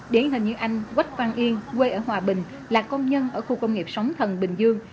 điển hình như anh quách văn yên quê ở hòa bình là công nhân ở khu công nghiệp sóng thần bình dương